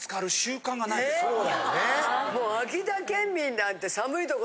そうだね。